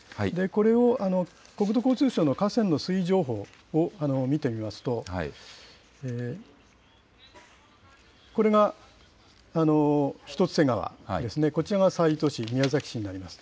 これを国土交通省の河川の水位情報を見てみますと、これが一ツ瀬川、こちらが西都市、宮崎市になります。